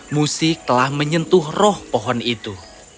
musik telah menyentuh roh pohon itu